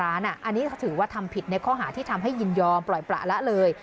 อันนี้ถือว่าทำผิดในข้อหาที่ทำให้ยินยอมปล่อยประละเลย